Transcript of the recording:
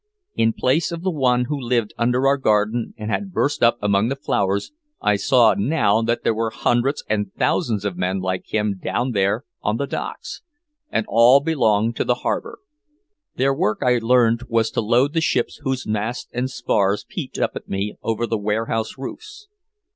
In place of the one who lived under our garden and had burst up among the flowers, I saw now that there were hundreds and thousands of men like him down there on the docks. And all belonged to the harbor. Their work I learned was to load the ships whose masts and spars peeped up at me over the warehouse roofs.